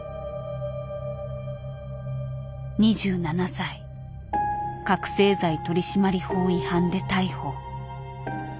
２７歳覚醒剤取締法違反で逮捕。